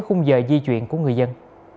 khung giờ di chuyển của người dân